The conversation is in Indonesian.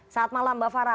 saat malam mbak farah